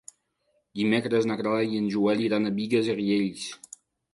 Dimecres na Clara i en Joel iran a Bigues i Riells.